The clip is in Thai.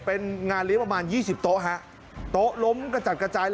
เป็นงานเลี้ยงประมาณ๒๐โต๊ะฮะโต๊ะล้มกระจัดกระจาย